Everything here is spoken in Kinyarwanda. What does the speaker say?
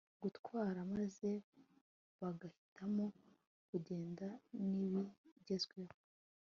gutwara maze bagahitamo kugendana nibigezweho